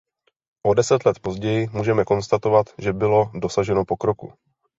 O deset let později můžeme konstatovat, že bylo dosaženo pokroku.